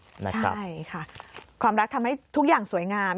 ใช่ค่ะความรักทำให้ทุกอย่างสวยงาม